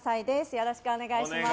よろしくお願いします。